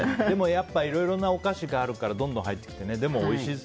いろいろなお菓子があるからどんどん入ってきて。